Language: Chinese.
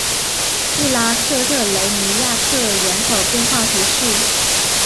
里拉克特雷尼亚克人口变化图示